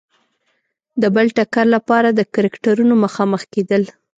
د بل ټکر لپاره د کرکټرونو مخامخ کېدل.